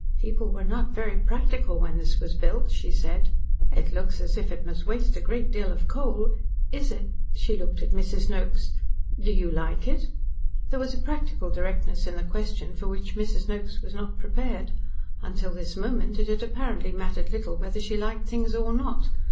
"People were not very practical when this was built," she said. "It looks as if it must waste a great deal of coal. Is it ?" she looked at Mrs. Noakes. "Do you like it?" There was a practical directness in the question for which Mrs. Noakes was not prepared. Until this moment, it had apparently mattered little whether she liked things or not.